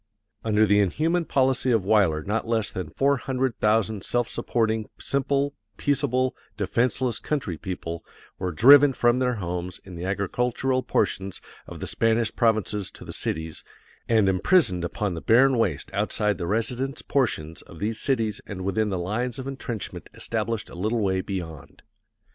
Under the inhuman policy of Weyler not less than four hundred thousand self supporting, simple, peaceable, defenseless country people were driven from their homes in the agricultural portions of the Spanish provinces to the cities, and imprisoned upon the barren waste outside the residence portions of these cities and within the lines of intrenchment established a little way beyond.